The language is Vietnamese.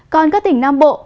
còn các tỉnh nam bộ